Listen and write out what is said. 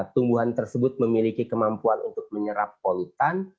tumbuhan tersebut memiliki kemampuan untuk menyerap polutan